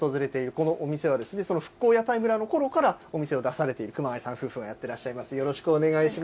このお店は、その復興屋台村のころからお店を出されている熊谷さん夫婦がやってらっしゃいます、よろしくお願いします。